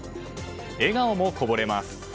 笑顔もこぼれます。